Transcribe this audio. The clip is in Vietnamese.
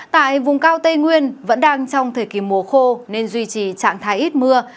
tại vùng cao tây nguyên vẫn đang trong thời kỳ mùa khô nên duy trì trạng thái ít mưa